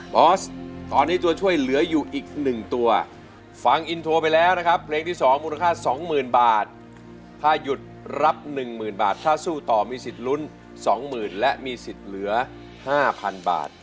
บอสตอนนี้ตัวช่วยเหลืออยู่อีก๑ตัวฟังอินโทรไปแล้วนะครับเพลงที่๒มูลค่า๒๐๐๐บาทถ้าหยุดรับ๑๐๐๐บาทถ้าสู้ต่อมีสิทธิ์ลุ้น๒๐๐๐และมีสิทธิ์เหลือ๕๐๐๐บาท